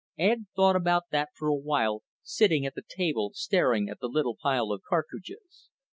Ed thought about that for a while, sitting at the table staring at the little pile of cartridges.